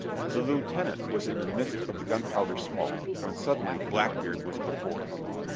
The lieutenant was in the midst of the gunpowder smoke, when suddenly Blackbeard was before him.